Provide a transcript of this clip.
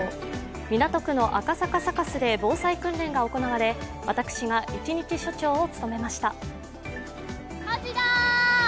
港区の赤坂サカスで防災訓練が行われ私が一日署長を務めました。